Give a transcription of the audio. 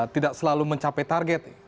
tidak selalu mencapai target